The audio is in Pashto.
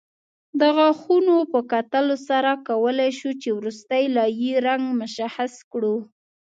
د غاښونو په کتلو سره کولای شو چې وروستۍ لایې رنګ مشخص کړو